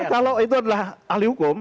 kalau itu adalah ahli hukum